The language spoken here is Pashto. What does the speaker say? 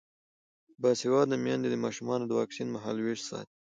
باسواده میندې د ماشومانو د واکسین مهالویش ساتي.